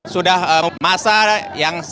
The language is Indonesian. sudah masa yang